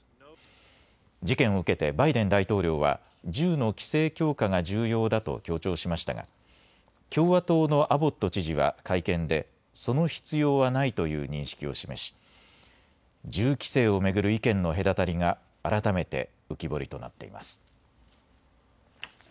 事件を受けてバイデン大統領は銃の規制強化が重要だと強調しましたが共和党のアボット知事は会見でその必要はないという認識を示し銃規制を巡る意見の隔たりが改めて浮き彫りとなっています。